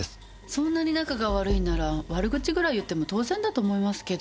そんなに仲が悪いんなら悪口ぐらい言っても当然だと思いますけど。